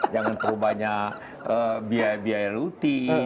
jangan terlalu banyak biaya biaya rutin